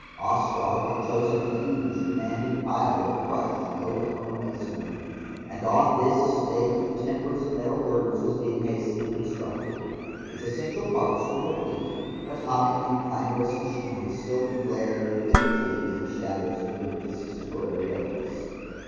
Ostrog had chosen a huge commanding pile of crushed and overthrown masonry, and on this a stage of timbers and metal girders was being hastily constructed. Its essential parts were complete, but humming and clangorous machinery still glared fitfully in the shadows beneath this temporary edifice.